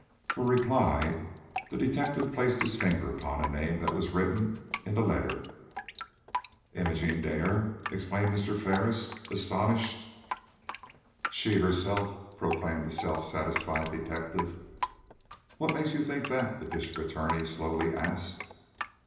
For reply the detective placed his finger upon a name that was written in the letter. "Imogene Dare?" exclaimed Mr. Ferris, astonished. "She herself," proclaimed the self satisfied detective. "What makes you think that?" the District Attorney slowly asked.